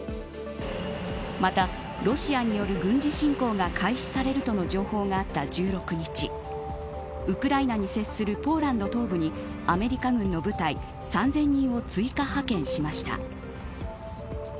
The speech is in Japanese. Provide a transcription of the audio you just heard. また、ロシアによる軍事侵攻が開始されるとの情報があった１６日ウクライナに接するポーランド東部にアメリカ軍の部隊３０００人を追加派遣しました。